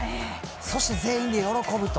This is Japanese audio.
そして、全員で喜ぶと。